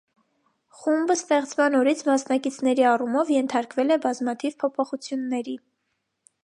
Խումբն ստեղծման օրից մասնակիցների առումով ենթարկվել է բազմաթիվ փոփոխությունների։